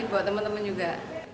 bawa teman teman juga